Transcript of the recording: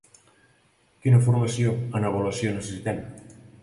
Quina formació en avaluació necessitem?